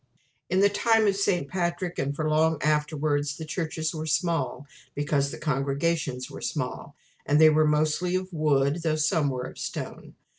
In the time of St. Patrick, and for long afterwards, the churches were small, because the congregations were small; and they were mostly of wood, though some were of stone.